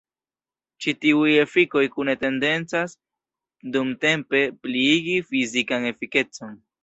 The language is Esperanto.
Ĉi tiuj efikoj kune tendencas dumtempe pliigi fizikan efikecon.